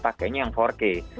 pakainya yang empat k